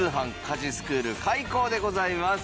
家事スクール開校でございます。